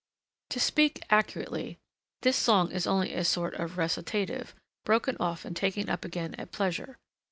To speak accurately, this song is only a sort of recitative, broken off and taken up again at pleasure.